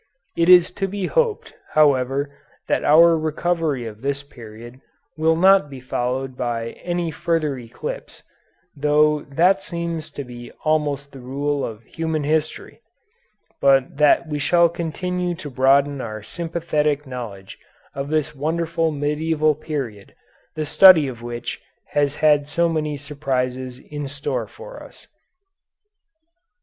It is to be hoped, however, that our recovery of this period will not be followed by any further eclipse, though that seems to be almost the rule of human history, but that we shall continue to broaden our sympathetic knowledge of this wonderful medieval period, the study of which has had so many surprises in store for us.